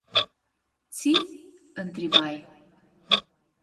“Tsi?” ãntribai.